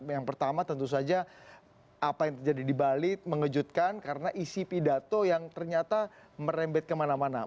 yang pertama tentu saja apa yang terjadi di bali mengejutkan karena isi pidato yang ternyata merembet kemana mana